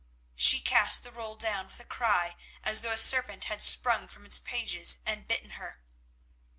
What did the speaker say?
She cast the roll down with a cry as though a serpent had sprung from its pages and bitten her.